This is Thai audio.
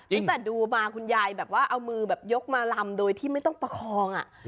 ดูมาคุณยายแบบว่าเอามือแบบยกมาลำโดยที่ไม่ต้องประคอง